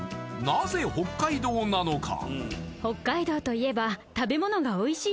なぜ北海道なのか？